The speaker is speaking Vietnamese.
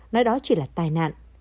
nói đó chỉ là tai nạn